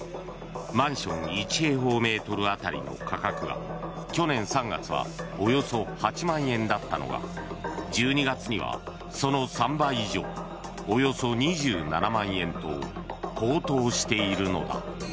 マンション１平方メートル当たりの価格が去年３月はおよそ８万円だったのが１２月には、その３倍以上およそ２７万円と高騰しているのだ。